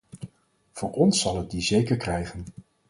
Van ons zal het die zeker krijgen.